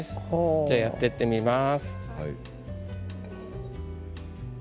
じゃあ、やっていってみます。